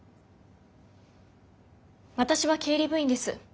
私は経理部員です。